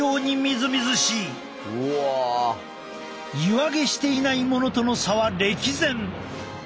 ユアゲしていないものとの差は歴然。